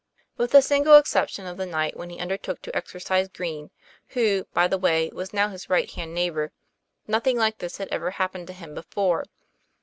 With the single exception of the night when he undertook to exorcise Green, who, by the way, was now his right hand neighbor, nothing like this had ever happened to him before.